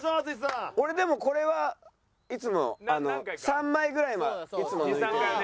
俺でもこれはいつも３枚ぐらいはいつも抜いてるから。